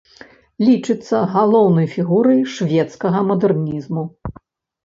Лічыцца галоўнай фігурай шведскага мадэрнізму.